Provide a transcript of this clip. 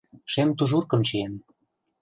Шем тужуркым чиен.